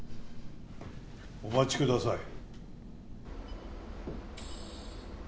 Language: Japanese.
お待ちください。